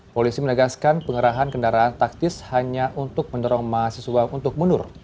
polisi menegaskan pengerahan kendaraan taktis hanya untuk mendorong mahasiswa untuk mundur